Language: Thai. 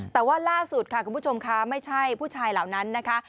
แต่ว่าล่าสุดค่ะคุณผู้ชมค่ะไม่ใช่ผู้ชายเหล่านั้นนะคะ